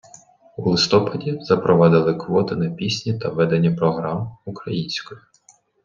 У листопаді запровадили квоти на пісні та ведення програм українською.